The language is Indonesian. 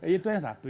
itu yang satu